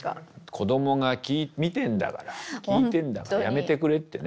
「子供が見てんだから聴いてんだからやめてくれ」ってね。